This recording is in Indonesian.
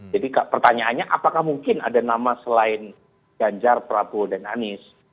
jadi pertanyaannya apakah mungkin ada nama selain ganjar prabowo dan anies